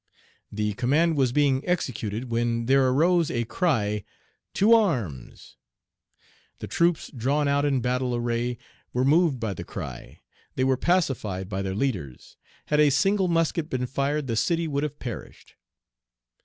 The command was being executed, when there arose a cry 'To arms!' The troops drawn out in battle array were moved by the cry; they were pacified by their leaders; had a single musket been fired, the city would have perished.